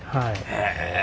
へえ！